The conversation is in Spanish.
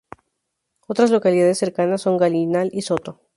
Otras localidades cercanas son Gallinal y Soto.